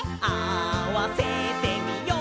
「合わせてみよう」